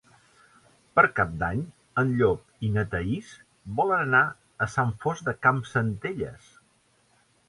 Per Cap d'Any en Llop i na Thaís volen anar a Sant Fost de Campsentelles.